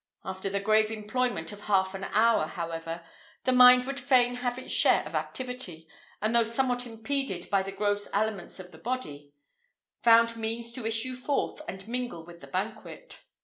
After the grave employment of half an hour, however, the mind would fain have its share of activity; and, though somewhat impeded by the gross aliments of the body, found means to issue forth and mingle with the banquet.